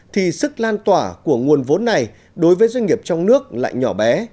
thì sức lan tỏa của nguồn vốn này đối với doanh nghiệp trong nước lại nhỏ bé